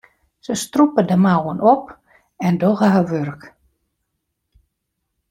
Se strûpe de mouwen op en dogge har wurk.